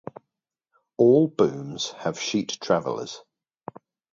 All booms have sheet travelers.